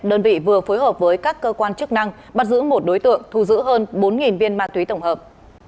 đơn vị vừa phối hợp với các cơ quan chức năng bắt giữ một đối tượng thu giữ hơn bốn viên ma túy tổng hợp